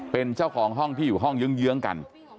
เป็นเจ้าของห้องที่อยู่ห้องเยื้องกัน